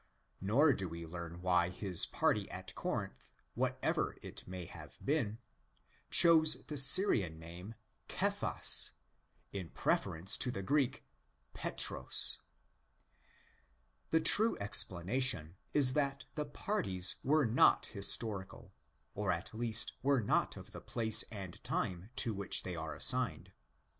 Nor do we learn why his party at Corinth—whatever it may have been— chose the Syrian name Κηφᾶς in preference to the Greek Πέτρος. The true explanation is that the parties were not historical ; or at least were not of the place and time to which they are assigned.